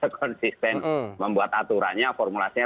konsisten membuat aturannya formulasnya